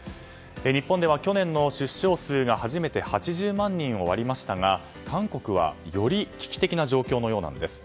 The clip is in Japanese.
日本では去年の出生数が初めて８０万人を割りましたが韓国はより危機的な状況のようなんです。